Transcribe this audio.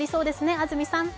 安住さん。